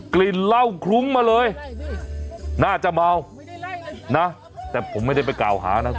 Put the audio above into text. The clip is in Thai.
กลิ่นเหล้าคลุ้งมาเลยน่าจะเมานะแต่ผมไม่ได้ไปกล่าวหานะ